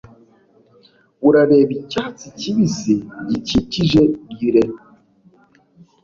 Urareba icyatsi kibisi gikikije gilles.